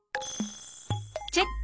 チェック